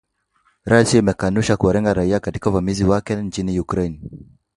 Russia imekanusha kuwalenga raia katika uvamizi wake nchini Ukraine.